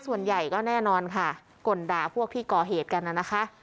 ส่วนใหญ่ก็แน่นอนค่ะก่นด่าพวกที่ก่อเหตุกันน่ะนะคะ